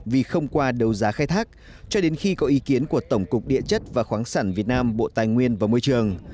vì không qua đấu giá khai thác cho đến khi có ý kiến của tổng cục địa chất và khoáng sản việt nam bộ tài nguyên và môi trường